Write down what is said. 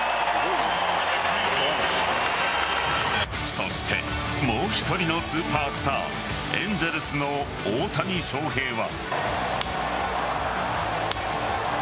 そしてもう１人のスーパースターエンゼルスの大谷翔平は。